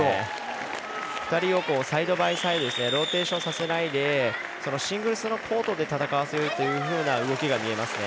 ２人をサイドバイサイドでローテーションさせないでシングルスのコートで戦わせるという動きが見えますね。